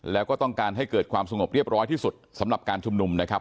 แล้วก็ต้องการให้เกิดความสงบเรียบร้อยที่สุดสำหรับการชุมนุมนะครับ